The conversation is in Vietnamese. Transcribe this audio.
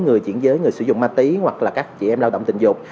người chuyển giới người sử dụng ma túy hoặc là các chị em lao động tình dục